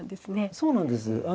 そうなんです。